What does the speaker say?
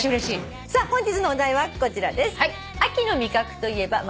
さあ本日のお題はこちらです。